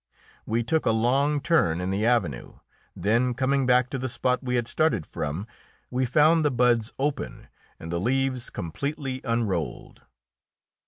We took a long turn in the avenue, then coming back to the spot we had started from, we found the buds open and the leaves completely unrolled.